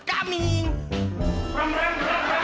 ram ram ram ram